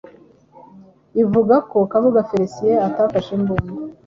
ivuga ko Kabuga Félicien atafashe imbunda